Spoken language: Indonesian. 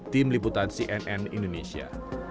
tim liputan cnn indonesia